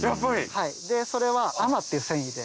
はいでそれは。っていう繊維で。